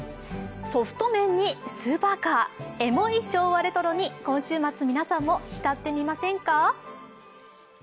ソフト面にスーパーカー、エモい昭和レトロに今週末、皆さんもひたってみませんか？